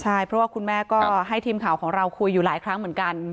ใช่เพราะว่าคุณแม่ก็ให้ทีมข่าวของเราคุยอยู่หลายครั้งเหมือนกัน